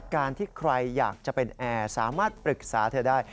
การที่ใครอยากจะเป็นแอร์สามารถปรึกษาเธอได้